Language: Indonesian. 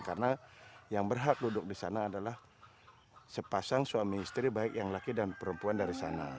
karena yang berhak duduk disana adalah sepasang suami istri baik yang laki dan perempuan dari sana